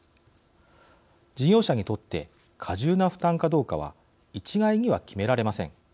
事業者にとって過重な負担かどうかは一概には決められません。